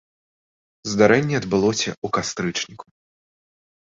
Здарэнне адбылося ў кастрычніку.